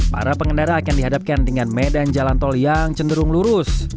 para pengendara akan dihadapkan dengan medan jalan tol yang cenderung lurus